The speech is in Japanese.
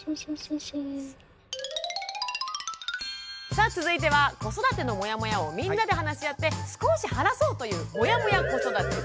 さあ続いては子育てのモヤモヤをみんなで話し合って少し晴らそうという「モヤモヤ子育て」です。